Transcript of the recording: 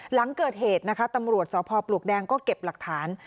หลังเกิดเหตุนะคะตำรวจสพปลวกแดงก็เก็บหลักฐาน